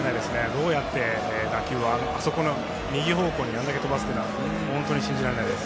どうやって打球をあの右方向にあれだけ飛ばすというのは本当に信じられないです。